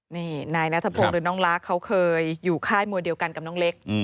นี่นายนัทพงศ์หรือน้องล้าเขาเคยอยู่ค่ายมวยเดียวกันกับน้องเล็ก